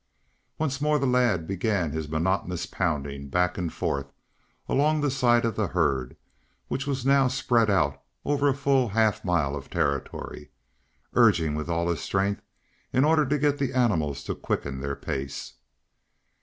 Once more the lad began his monotonous pounding back and forth along the side of the herd which was now spread out over a full half mile of territory, urging with all his strength in order to get the animals to quicken their pace.